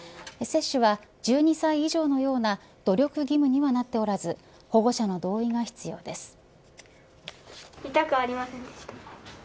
接種は１２歳以上のような努力義務にはなっておらず保護者の同意が必要です。